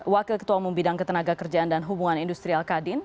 wakil ketua umum bidang ketenagakerjaan dan hubungan industri al qadin